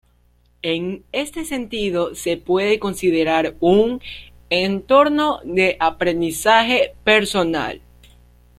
En este sentido se puede considerar un Entorno de Aprendizaje Personal.